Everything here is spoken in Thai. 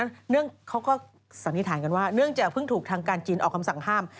เนื่องเขาก็สันนิษฐานกันว่าเนื่องจากเพิ่งถูกทางการจีนออกคำสั่งห้าม